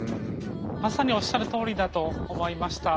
まさにおっしゃるとおりだと思いました。